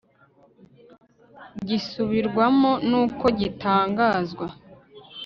gisubirwamo n uko gitangazwa